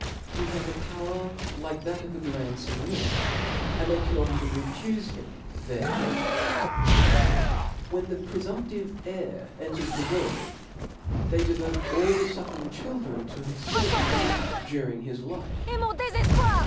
He has a power like that of tbe grand Cgnior, and they cannot even refufe him their heads. When the prefumptive heir enters into the world, tliey devote all the fucking children to his fer vicc OF LAWS. 413 <^lce during his life.